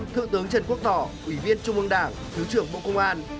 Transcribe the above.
thượng tướng trần quốc tỏ ủy viên trung ương đảng thứ trưởng bộ công an